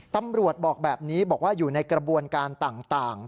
ตำรวจบอกแบบนี้บอกว่าอยู่ในกระบวนการต่าง